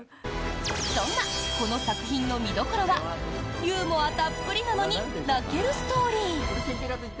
そんな、この作品の見どころはユーモアたっぷりなのに泣けるストーリー。